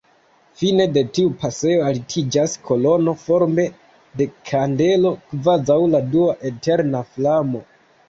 Fine de tiu pasejo altiĝas kolono forme de kandelo, kvazaŭ la dua eterna flamo.